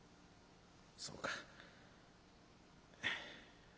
「そうか」。